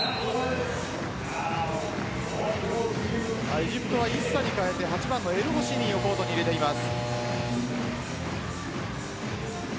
エジプトはイッサに代えて８番のエルホシニーを入れています。